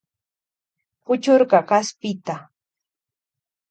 Kuchurka kaspita.